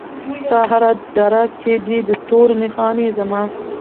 ستا هره دره کې دي د تورو نښانې زما